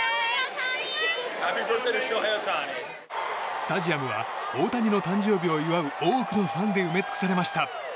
スタジアムは大谷の誕生日を祝う多くのファンで埋め尽くされました。